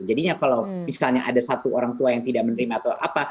jadinya kalau misalnya ada satu orang tua yang tidak menerima atau apa